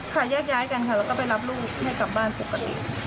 แยกย้ายกันค่ะแล้วก็ไปรับลูกให้กลับบ้านปกติ